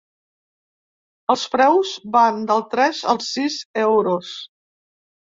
Els preus van dels tres als sis euros.